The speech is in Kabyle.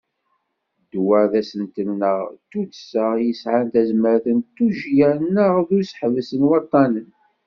Ddwa d asentel neɣ d tuddsa i yesɛan tazmert n tujya neɣ n useḥbes n waṭṭanen.